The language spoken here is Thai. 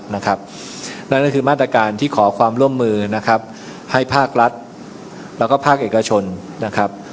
นั่นก็คือมาตรการที่ขอความร่วมมือนะครับให้ภาครัฐแล้วก็ภาคเอกชนนะครับ